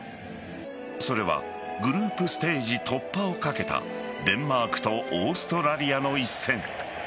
それはグループステージ突破をかけたデンマークとオーストラリアの一戦。